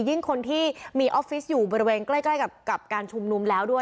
คนที่มีออฟฟิศอยู่บริเวณใกล้กับการชุมนุมแล้วด้วย